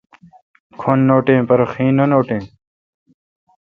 کھن نوٹیں پرہ خیں نہ نوٹیں۔